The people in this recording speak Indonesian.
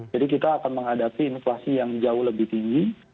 jadi kita akan menghadapi inflasi yang jauh lebih tinggi